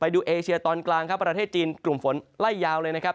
ดูเอเชียตอนกลางครับประเทศจีนกลุ่มฝนไล่ยาวเลยนะครับ